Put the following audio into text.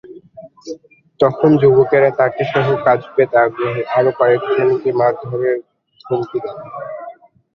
তখন যুবকেরা তাঁকেসহ কাজ পেতে আগ্রহী আরও কয়েকজনকে মারধরের হুমকি দেন।